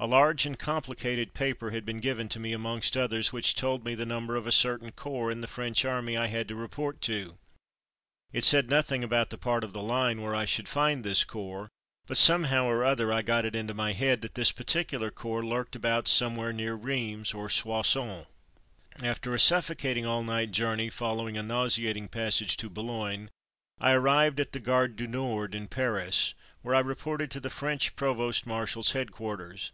A large and complicated paper had been given to me amongst others, which told me the number of a certain corps in the French Army I had to report to. It said nothing about the part of the line where I should 152 From Mud to Mufti find this corps; but somehow or other I got it into my head that this particular corps lurked about somewhere near Rheims or Soissons. After a suffocating all night journey, fol lowing a nauseating passage to Boulogne, I arrived at the Gare du Nord in Paris, where I reported to the French Provost Marshal's headquarters.